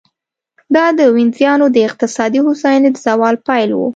دا د وینزیانو د اقتصادي هوساینې د زوال پیل و.